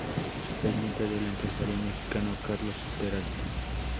Es nieta del empresario mexicano Carlos Peralta.